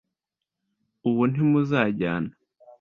uwo ntimuzajyana